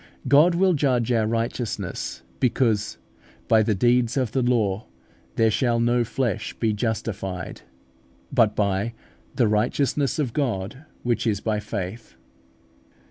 God will judge our righteousness, because "by the deeds of the law there shall no flesh be justified," but by "the righteousness of God, which is by faith" (Rom.